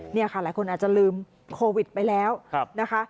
นี่ค่ะหลายคนอาจจะลืมโควิดไปแล้วนะคะ